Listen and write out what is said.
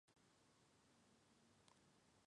女子跳远比赛分为预赛及决赛。